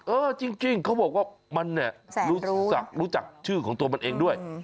เออจริงเขาบอกว่ามันเนี่ยรู้จักชื่อของตัวมันเองด้วย